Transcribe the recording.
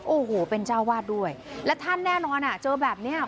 โอ้โหเป็นเจ้าวาดด้วยและท่านแน่นอนอ่ะเจอแบบเนี้ย